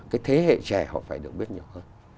cái thế hệ trẻ họ phải được biết nhiều hơn